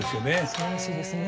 そうらしいですね。